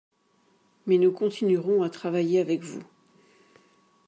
mais nous continuerons à travailler avec vous